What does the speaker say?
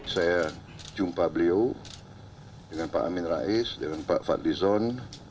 saya jumpa beliau dengan pak amin rais dengan pak fadlizon